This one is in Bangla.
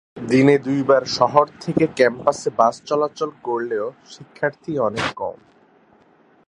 দিনে দুবার শহর থেকে ক্যাম্পাসে বাস চলাচল করলেও শিক্ষার্থী অনেক কম।